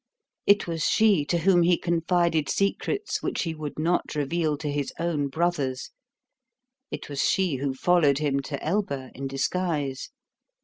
It was she to whom he confided secrets which he would not reveal to his own brothers. It was she who followed him to Elba in disguise.